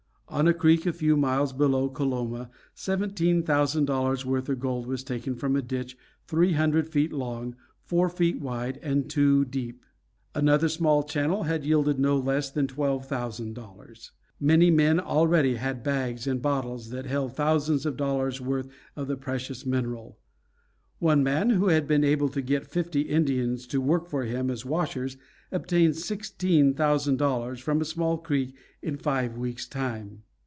On a creek a few miles below Coloma, seventeen thousand dollars' worth of gold was taken from a ditch three hundred feet long, four wide, and two deep. Another small channel had yielded no less than twelve thousand dollars. Many men already had bags and bottles that held thousands of dollars' worth of the precious mineral. One man, who had been able to get fifty Indians to work for him as washers, obtained sixteen thousand dollars from a small creek in five weeks' time.